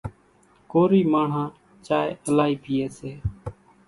ڪورِي ماڻۿان چائيَ الائِي پيئيَ سي۔